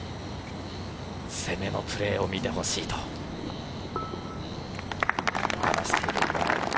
攻めのプレーを見てほしいと話している岩井。